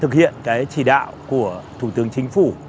thực hiện cái chỉ đạo của thủ tướng chính phủ